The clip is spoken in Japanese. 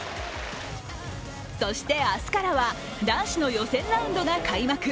そして明日からは男子の予選ラウンドが開幕。